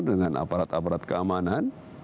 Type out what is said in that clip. dengan aparat aparat keamanan